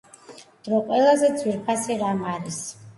დრო ყველაზე ძვირფასი რამ არის